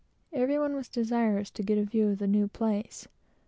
Every one was anxious to get a view of the new place.